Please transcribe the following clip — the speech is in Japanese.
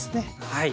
はい。